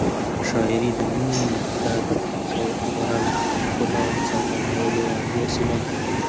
شاعري د مینې، درد، خوښۍ او رنج د ښکلا څرګندولو عالي وسیله ده.